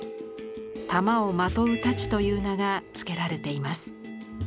玉を纏う太刀という名が付けられています。